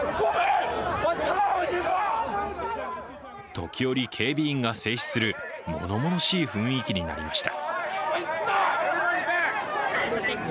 時折、警備員が制止する物々しい雰囲気になりました。